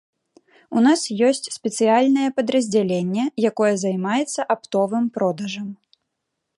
У нас ёсць спецыяльнае падраздзяленне, якое займаецца аптовым продажам.